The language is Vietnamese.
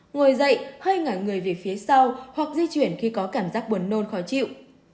ngồi dậy hơi ngả người về phía sau hoặc di chuyển khi có cảm giác buồn nôn khó chịu